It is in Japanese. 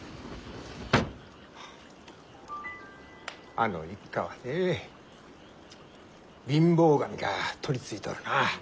あの一家はねえ貧乏神が取りついとるな。